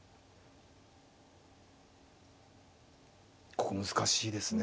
ここ難しいですね